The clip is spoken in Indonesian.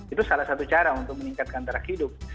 itu salah satu cara untuk meningkatkan tarak hidup